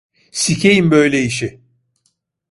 Sikeyim böyle işi!